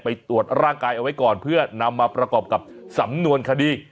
ตรวจร่างกายเอาไว้ก่อนเพื่อนำมาประกอบกับสำนวนคดี